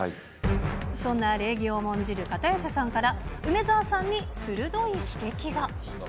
そんな礼儀を重んじる片寄さんから、梅澤さんに鋭い指摘が。